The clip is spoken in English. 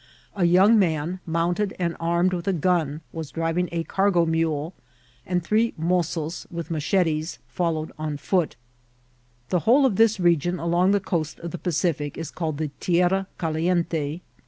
A young man, mounted, and armed with a gun, was driving a cargo« mule, and three mozos with machetes followed on foot* The whole of this region along the coast of the Pan cific is called the Tierra Caliente.